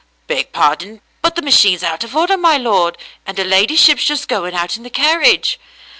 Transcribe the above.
"Beg pardon, but the machine's out of order, my lord, and her ladyship's just going out in the carriage."